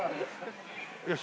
よし。